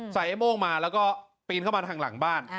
ไอ้โม่งมาแล้วก็ปีนเข้ามาทางหลังบ้าน